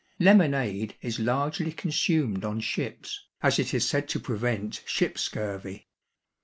Lemonade is largely consumed on ships, as it is said to prevent ship scurvy.